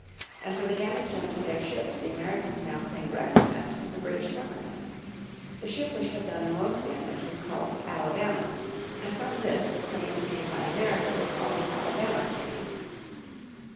And for the damage done to their ships the Americans now claimed recompense from the British Government. The ship which had done the most damage was called the Alabama and from this the claims made by America were called the Alabama Claims.